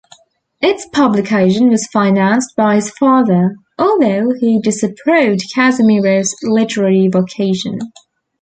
Its publication was financed by his father, although he disapproved Casimiro's literary vocation.